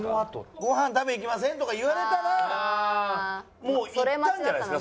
「ご飯食べに行きません？」とか言われたらもう行ったんじゃないですか？